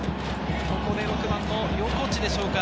ここで６番の横地でしょうか？